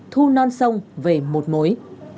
thu non sông về một mối